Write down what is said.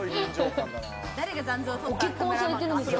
ご結婚はされてるんですか？